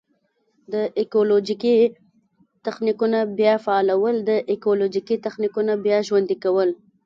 د ایکولوژیکي تخنیکونو بیا فعالول: د ایکولوژیکي تخنیکونو بیا ژوندي کول.